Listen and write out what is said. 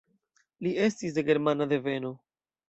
Li estis de germana deveno.